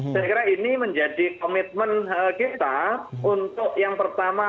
saya kira ini menjadi komitmen kita untuk yang pertama